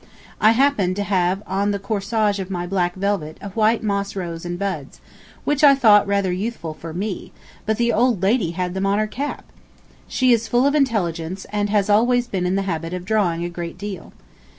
I happened to have on the corsage of my black velvet a white moss rose and buds, which I thought rather youthful for me, but the old lady had [them] on her cap. She is full of intelligence, and has always been in the habit of drawing a great deal.